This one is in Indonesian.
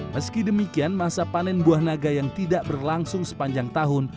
meski demikian masa panen buah naga yang tidak berlangsung sepanjang tahun